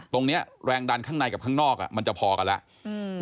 ตรงนี้แรงดันข้างในกับข้างนอกมันจะพอกันแล้ว